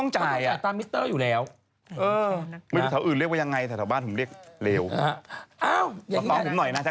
จ่ายตังค์มามากอะไรนะทุกอย่างนะ